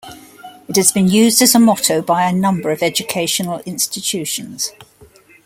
It has been used as motto by a number of educational institutions.